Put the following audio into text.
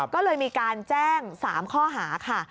ก็เลยมีการแจ้ง๓ข้อหาค่ะ